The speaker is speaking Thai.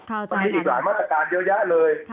เพราะมีอีกหลายมาตรการเดียวยะเลย